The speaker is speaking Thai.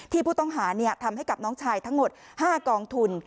ผู้ต้องหาทำให้กับน้องชายทั้งหมด๕กองทุน